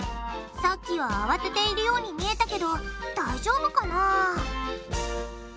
さっきは慌てているように見えたけど大丈夫かな？